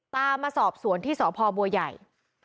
มาสอบสวนที่สพบัวใหญ่